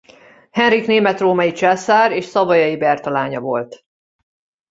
Henrik német-római császár és Savoyai Berta lánya volt.